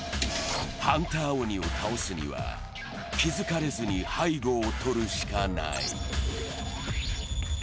ハンター鬼を倒すには、気付かれずに背後をとるしかない。